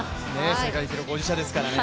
世界記録保持者ですからね。